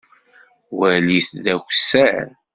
Walit d akessar.